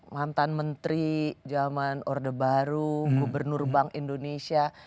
mantan menteri zaman orde baru gubernur bank indonesia